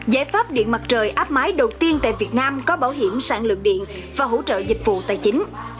giải pháp điện mặt trời áp mái đầu tiên tại việt nam có bảo hiểm sản lượng điện và hỗ trợ dịch vụ tài chính